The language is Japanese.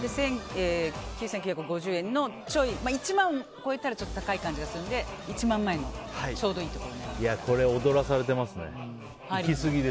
９９５０円のちょい１万を超えたら高い感じがするので１万の前のちょうどいいところをこれ、踊らされてますね。